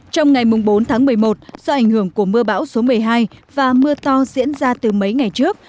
trong ngày bốn tháng một mươi một do ảnh hưởng của mưa bão số một mươi hai và mưa to diễn ra từ mấy ngày trước